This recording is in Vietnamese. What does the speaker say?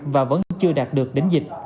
và vẫn chưa đạt được đến dịch